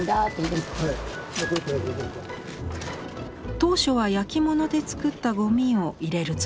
当初は焼き物で作ったゴミを入れるつもりでした。